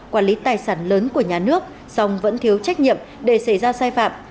quản lý tài sản lớn của nhà nước song vẫn thiếu trách nhiệm để xảy ra sai phạm